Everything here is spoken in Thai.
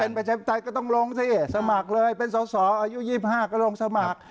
ประชาธิปไตยก็ต้องลงสิสมัครเลยเป็นสอสออายุ๒๕ก็ลงสมัคร